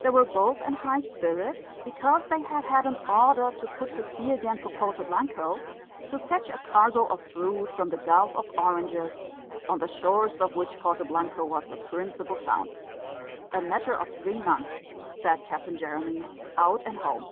They were both in high spirits, because they had had an order to put to sea again for Porto Blanco, to fetch a cargo of fruit from the Gulf of Oranges, on the shores of which Porto Blanco was the principal town. "A matter of three months," said Captain Jeremy, "out and home."